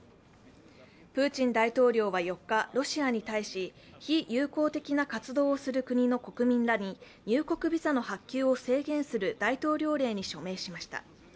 プーチン大統領は４日、ロシアに対しロシアに対し非友好的な活動をする国の国民らに入国ビザの発給を制限する大統領令に署名しました。